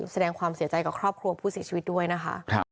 แสดงความเสียใจกับครอบครัวผู้เสียชีวิตด้วยนะคะ